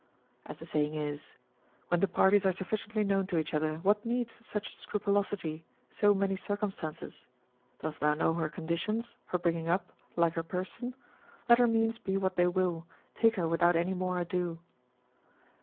As the saying is; when the parties are sufficiently known to each other, what needs such scrupulosity, so many circumstances? dost thou know her conditions, her bringing up, like her person? let her means be what they will, take her without any more ado.